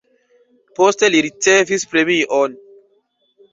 Poste li ricevis premion.